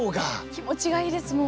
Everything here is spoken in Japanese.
気持ちがいいですもん。